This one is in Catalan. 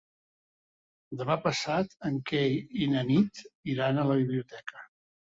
Demà passat en Quel i na Nit iran a la biblioteca.